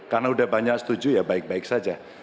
karena sudah banyak yang setuju ya baik baik saja